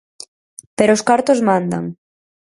Pero os cartos mandan.